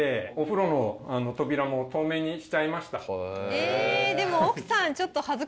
えでも。